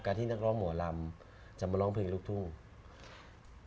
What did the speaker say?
ที่นักร้องหมอลำจะมาร้องเพลงลูกทุ่ง